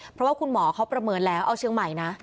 เพราะว่าคุณหมอเขาประเมินแล้วเอาเชียงใหม่นะ